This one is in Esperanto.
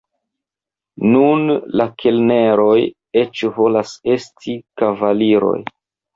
Nun la kelneroj eĉ volas esti kavaliroj.